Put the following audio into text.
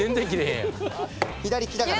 左利きだからね。